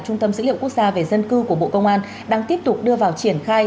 trung tâm dữ liệu quốc gia về dân cư của bộ công an đang tiếp tục đưa vào triển khai